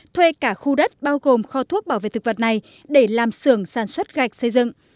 thuê cả khu đất bao gồm kho thuốc bảo vệ thực vật này để làm xưởng sản xuất gạch xây dựng